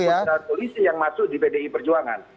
itulah polisi yang masuk di bdi perjuangan